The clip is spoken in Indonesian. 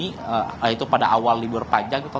yaitu pada awal libur panjang